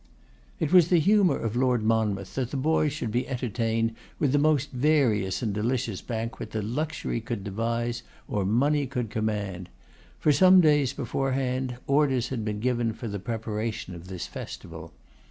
It was the humour of Lord Monmouth that the boys should be entertained with the most various and delicious banquet that luxury could devise or money could command. For some days beforehand orders had been given for the preparation of this festival.